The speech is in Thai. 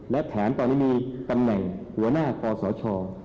และแผนตอนนี้มีตำแหน่งหัวหน้าคอสช